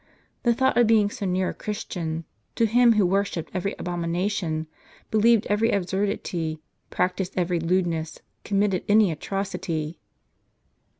The thought of being so near a Christian, — to him who worshipped every abomination, believed every absurdity, practised every lewdness, committed any atrocity